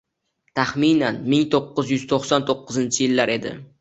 Taxminan ming to'qqiz yuz to'qson to'qqizinchi yillar edi.